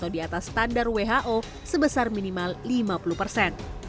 diatas standar who sebesar minimal lima puluh persen